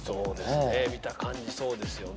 見た感じそうですよね